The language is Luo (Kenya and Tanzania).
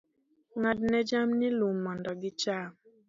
Ng'adne jamni lum mondo gicham.